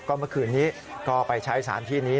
เมื่อคืนนี้ก็ไปใช้สถานที่นี้